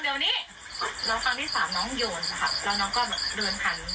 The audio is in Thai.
หรือว่าเคลื่อนใส่หลายหนู